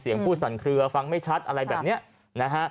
พูดสั่นเคลือฟังไม่ชัดอะไรแบบนี้นะฮะ